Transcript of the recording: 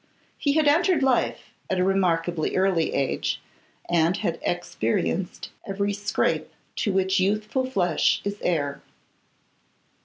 He had entered life at a remarkably early age, and had experienced every scrape to which youthful flesh is heir.